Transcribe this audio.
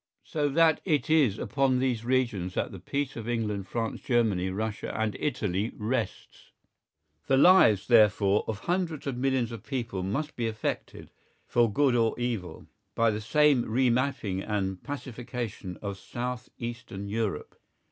So that it is upon these regions that the peace of England, France, Germany, Russia and Italy rests. The lives, therefore, of hundreds of millions of people must be affected, for good or evil, by the sane re mapping and pacification of south eastern Europe.